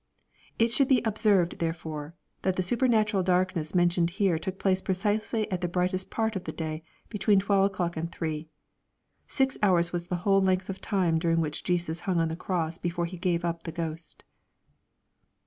It should be observed, therefore, that the supernatural darkness mentioned here took place precisely at the brightest part of the day, between twelve o'clock and three. Six hours was the whole length of time during which Jesus hung on the cross before He gave up the ghost.